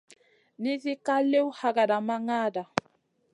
Nizi ka liw hakada ma ŋada.